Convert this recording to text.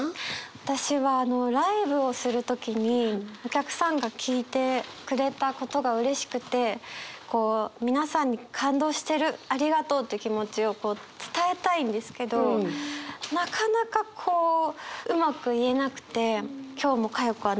私はライブをする時にお客さんが聴いてくれたことがうれしくてこう皆さんに感動してるありがとうという気持ちを伝えたいんですけどなかなかこううまく言えなくて。